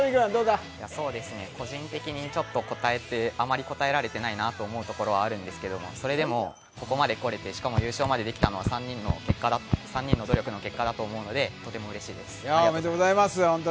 個人的にあまり答えられていないなと思うところもあるんですが、それでもここまでこれてしかも優勝までできたのは３人の努力の結果だと思うのでとてもうれしいです、ありがとうございます。